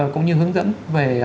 cũng như hướng dẫn về